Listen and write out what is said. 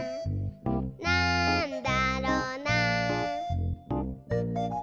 「なんだろな？」